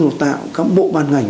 bộ dân dụng tạo các bộ ban ngành